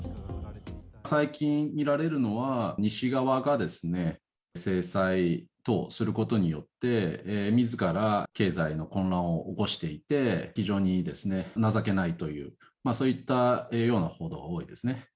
最近、見られるのは、西側が制裁等することによって、みずから経済の混乱を起こしていて、非常に情けないという、そういった報道が多いですね。